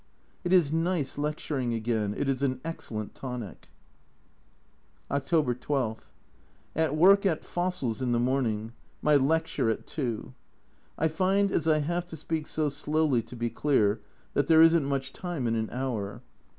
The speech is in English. It is nice lecturing again, it is an excellent tonic. October 12. At work at fossils in the morning my lecture at 2. I find as I have to speak so slowly to be clear, that there isn't much time in an hour.